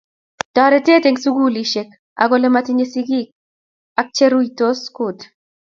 Toretet eng sukulisiek ak ole matinye sikiik ak che ruitos kuut